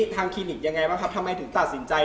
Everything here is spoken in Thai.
คลินิกยังไงบ้างครับทำไมถึงตัดสินใจ